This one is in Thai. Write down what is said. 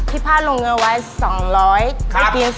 เท่าไรนะ